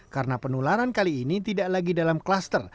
karena penularan kali ini tidak lagi dalam klaster